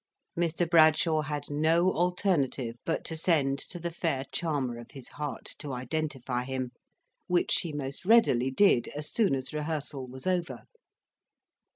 Mr. Bradshaw had no alternative but to send to the fair charmer of his heart to identify him; which she most readily did, as soon as rehearsal was over.